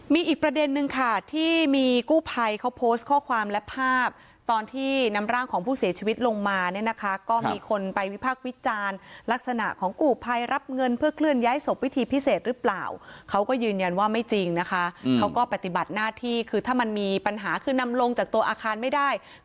มีอีกประเด็นนึงค่ะที่มีกู้ภัยเขาโพสต์ข้อความและภาพตอนที่นำร่างของผู้เสียชีวิตลงมาเนี่ยนะคะก็มีคนไปวิพักษ์วิจารณ์ลักษณะของกู้ภัยรับเงินเพื่อเคลื่อนย้ายศพวิธีพิเศษหรือเปล่าเขาก็ยืนยันว่าไม่จริงนะคะเขาก็ปฏิบัติหน้าที่คือถ้ามันมีปัญหาคือนำลงจากตัวอาคารไม่ได้